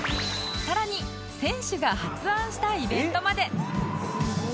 さらに選手が発案したイベントまで